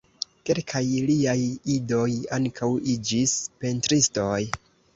Kelkaj liaj idoj ankaŭ iĝis pentristoj.